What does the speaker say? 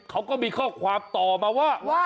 เขาก็มีข้อความต่อมาว่า